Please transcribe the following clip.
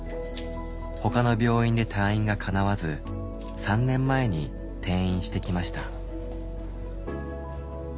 ほかの病院で退院がかなわず３年前に転院してきました。